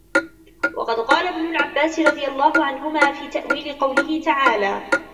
وَقَدْ قَالَ ابْنُ عَبَّاسٍ رَضِيَ اللَّهُ عَنْهُمَا فِي تَأْوِيلِ قَوْله تَعَالَى